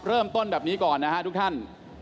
เริ่มต้นแบบนี้ก่อนนะฮะทุกท่าน